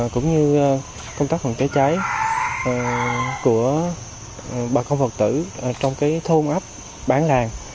cũng như công tác cháy cháy của bà con vượt tử trong thôn ấp bán làng